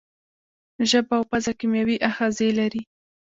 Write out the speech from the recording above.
ژبه او پزه کیمیاوي آخذې لري.